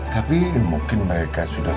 tapi mungkin mereka sudah